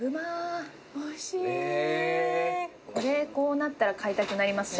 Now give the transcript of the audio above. これこうなったら買いたくなりますね。